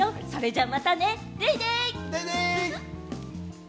それじゃまたね、デイデイ！